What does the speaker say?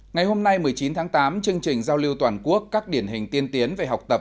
ngày hôm nay một mươi chín tháng tám chương trình giao lưu toàn quốc các điển hình tiên tiến về học tập